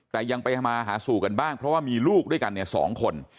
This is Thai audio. แต่ยังไปหาสู่กันบ้างเพราะว่ามีลูกด้วยกันเนี่ย๒คน